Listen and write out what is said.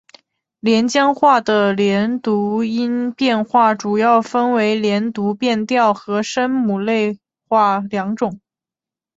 连江话的连读音变主要分为连读变调和声母类化两种。